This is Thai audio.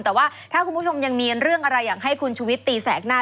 แต่ว่าถ้าคุณผู้ชมยังมีเรื่องอะไรอยากให้คุณชุวิตตีแสกหน้า